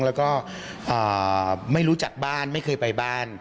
แล้วก็ไม่รู้จักบ้านไม่เคยไปบ้าน